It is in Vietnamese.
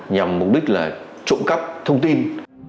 nhằm mục đích là trộm cắp thông tin